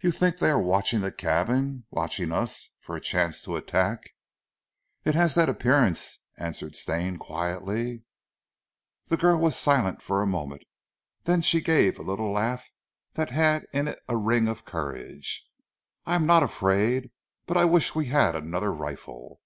"You think they are watching the cabin watching us, for a chance to attack?" "It has that appearance," answered Stane quietly. The girl was silent for a moment, then she gave a little laugh that had in it a ring of courage. "I am not afraid, but I wish we had another rifle."